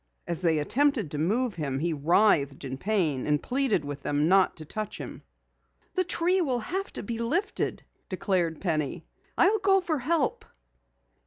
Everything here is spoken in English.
As they attempted to move him he writhed in pain and pleaded with them not to touch him. "The tree will have to be lifted," declared Penny. "I'll go for help."